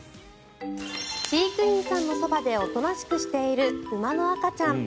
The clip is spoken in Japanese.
飼育員さんのそばでおとなしくしている馬の赤ちゃん。